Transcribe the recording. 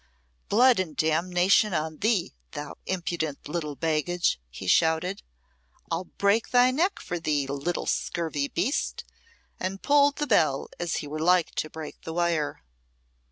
"Blood and damnation on thee, thou impudent little baggage!" he shouted. "I'll break thy neck for thee, little scurvy beast;" and pulled the bell as he were like to break the wire.